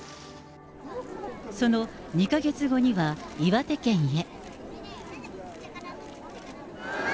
その２か月後には岩手県へ。